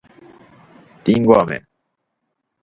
りんごあめ